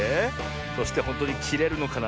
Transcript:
そしてほんとにきれるのかな。